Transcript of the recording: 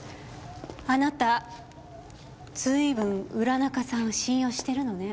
あなた随分浦中さんを信用してるのね。